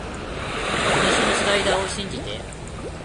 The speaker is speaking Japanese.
あたしのスライダーを信じて